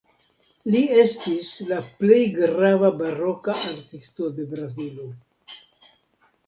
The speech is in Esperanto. Li estis la plej grava baroka artisto de Brazilo.